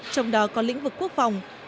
trong đó có lĩnh vực quốc phòng